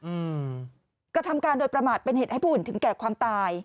อืมกระทำการโดยประมาทเป็นเหตุให้ผู้อื่นถึงแก่ความตาย